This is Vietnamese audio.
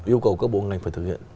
yêu cầu các bộ ngành phải thực hiện